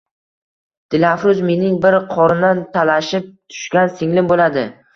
Dilafruz mening bir qorindan talashib tushgan singlim bo`ladi